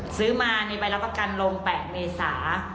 ซื้อมาในใบรับประกันลง๘เมษา